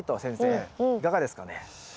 先生いかがですかね？